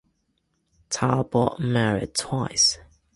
Talbot married twice.